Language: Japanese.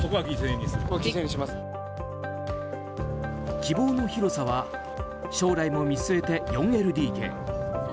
希望の広さは将来も見据えて４ＬＤＫ。